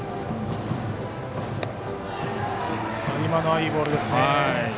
今のはいいボールですね。